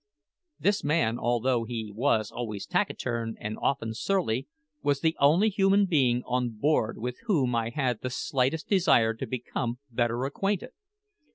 This man, although he was always taciturn and often surly, was the only human being on board with whom I had the slightest desire to become better acquainted.